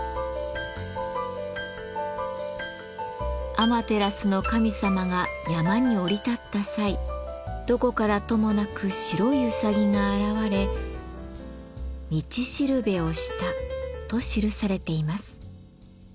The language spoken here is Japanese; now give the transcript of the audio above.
「アマテラスの神様が山に降り立った際どこからともなく白いうさぎが現れ道しるべをした」と記されています。